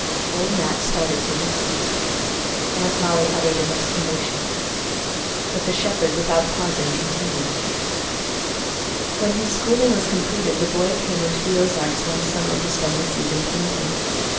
Old Matt started from his seat. Aunt Mollie uttered an exclamation. But the shepherd, without pausing, continued: "When his schooling was completed the boy came into the Ozarks one summer to spend the season painting.